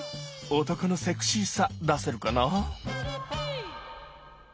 男のセクシーさ出せるかな？